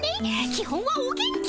基本はお元気。